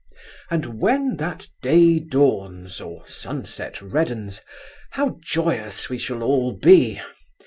'And when that day dawns, or sunset reddens, how joyous we shall all be!